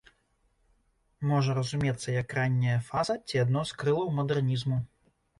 Можа разумецца як ранняя фаза ці адно з крылаў мадэрнізму.